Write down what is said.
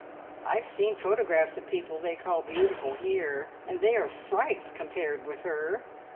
I've seen photographs of people they call beautiful here, and they are frights compared with her.